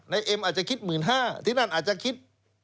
ในเอ็มอาจจะคิด๑๕๐๐๐ที่นั่นอาจจะคิด๑๐๐๐๐